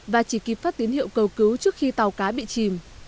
và chỉ kịp phát tín hiệu cầu cứu trước khi tàu cá bị chìm